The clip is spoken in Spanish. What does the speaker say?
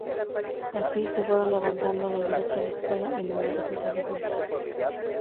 Así, se fueron levantando la iglesia, la escuela y numerosos edificios.